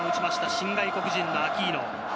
新外国人のアキーノ。